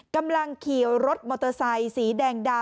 กำลังขี่รถมอเตอร์ไซค์สีแดงดำ